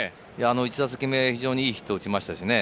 １打席目、いいヒットを打ちましたしね。